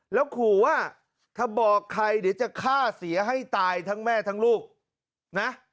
แล้วขู่ว่าถ้าบอกใครเดี๋ยวจะฆ่าเสียให้ตายทั้งแม่ทั้งลูกนะ